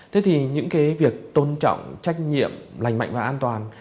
thế thì những cái việc tôn trọng trách nhiệm lành mạnh và an toàn